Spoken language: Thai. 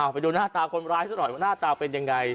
ไปดูหน้าตาคนร้ายซะหน่อยว่าหน้าตาเป็นยังไง